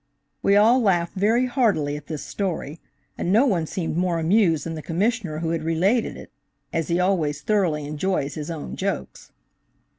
We all laughed very heartily at this story, and no one seemed more amused than the Commissioner who had related it, as he always thoroughly enjoys his own jokes.